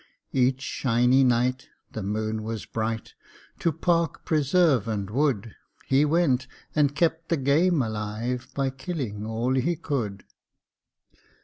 Each "shiny night" the moon was bright, To park, preserve, and wood He went, and kept the game alive, By killing all he could.